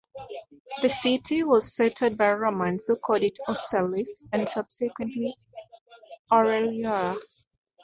The city was settled by Romans who called it "Orcelis" and subsequently "Aurariola".